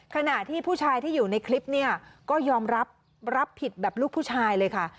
ขณะที่ผู้ชายที่อยู่ในคลิปเนี่ยก็ยอมรับรับผิดแบบลูกผู้ชายเลยค่ะ